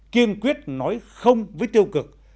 kiên quyết nói không với tiêu cực